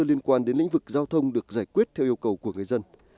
liên quan đến lĩnh vực giao thông được giải quyết theo yêu cầu của người dân